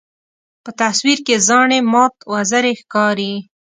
په تصویر کې زاڼې مات وزرې ښکاري.